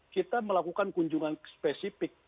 kita melakukan kunjungan spesifik pilkadaan itu